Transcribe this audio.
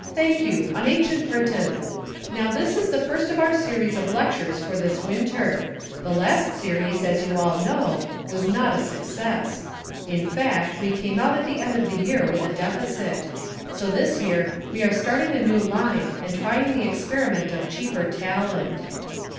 Thank you, on Ancient Britain. Now, this is the first of our series of lectures for this winter. The last series, as you all know, was not a success. In fact, we came out at the end of the year with a deficit. So this year we are starting a new line and trying the experiment of cheaper talent."